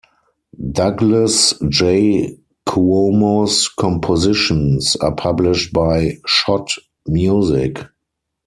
Douglas J. Cuomo's compositions are published by Schott Music.